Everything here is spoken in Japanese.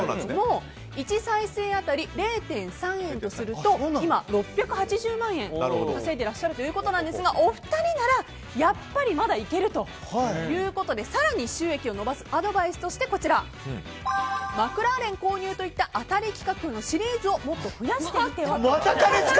１再生当たり０．３円とすると今、６８０万円稼いでいらっしゃるということですがお二人ならまだいけるということで更に収益を伸ばすアドバイスとしてマクラーレン購入といった当たり企画のシリーズをもっと増やしてみては。